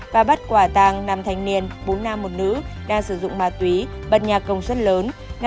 và bắt quả tàng năm thanh niên bốn nam một nữ đang sử dụng ma túy bật nhà công suất lớn